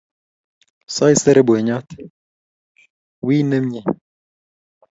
Saisere boinyot. Wiy nemyee